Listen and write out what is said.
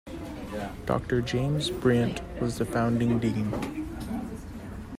Doctor James Bryant was the founding Dean.